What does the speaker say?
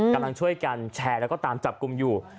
กำลังช่วยกันแชร์แล้วก็ตามจับกลุ่มอยู่